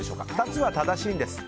２つは正しいです。